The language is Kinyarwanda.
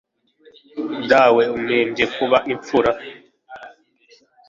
dawe umpembye kuba imfura